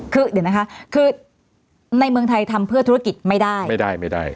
คือเดี๋ยวนะคะคือในเมืองไทยทำเพื่อธุรกิจไม่ได้ไม่ได้